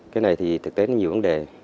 cái này thì thực tế nó nhiều vấn đề